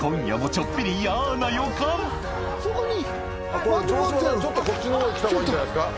ちょっとこっちのほうへ来たほうがいいんじゃないですか。